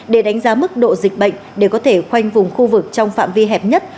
để đánh giá mức độ dịch bệnh để có thể khoanh vùng khu vực trong phạm vi hẹp nhất